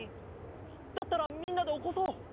だったらみんなでおこそう。